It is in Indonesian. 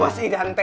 wah sih dante